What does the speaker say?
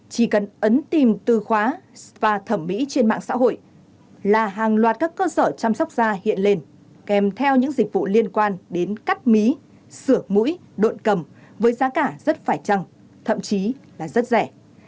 chỉ cần ấn tìm từ khóa và thẩm mỹ trên mạng xã hội là hàng loạt các cơ sở chăm sóc da hiện lên kèm theo những dịch vụ liên quan đến cắt mí sửa mũi độin cầm với giá cả rất phải trăng thậm chí là rất rẻ